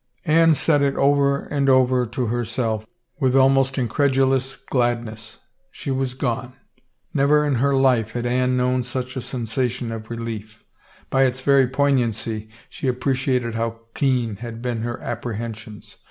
Anne said it over and over to herself, with almost in credulous gladness. She was gone. Never in her life had Anne known such a sensation of relief; by its very poignancy she appreciated how keen had been her ap prehensions.